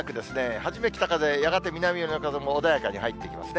初め北風、やがて南寄りの風も穏やかに入ってきますね。